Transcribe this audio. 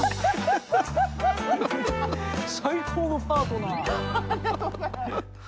最高のパートナー。